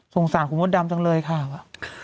สงสารคุณมดดำจังเลยค่ะว่ะ